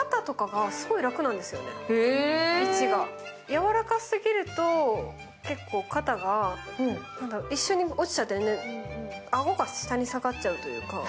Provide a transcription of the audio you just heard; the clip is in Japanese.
やわらかすぎると結構、肩が一緒に落ちちゃったり、顎が下に下がっちゃうというか。